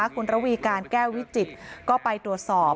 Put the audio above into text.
คุณระวีการแก้ววิจิตรก็ไปตรวจสอบ